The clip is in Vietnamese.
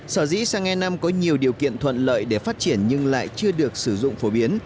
sở dĩ sang e năm có nhiều điều kiện thuận lợi để phát triển nhưng lại chưa được sử dụng phổ biến